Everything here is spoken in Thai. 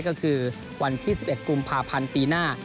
ก็คือวันที่๑๑กุมภาพันธ์ปีหน้า